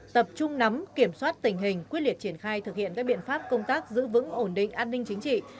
tập trung nắm kiểm soát tình hình quyết liệt triển khai thực hiện các biện pháp công tác giữ vững ổn định an ninh chính trị